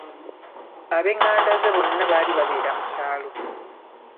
Ab'enganda ze bonna baali babeera mu kyalo.